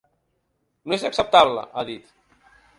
No és acceptable –ha dit–.